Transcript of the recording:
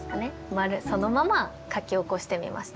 丸そのまま書き起こしてみました。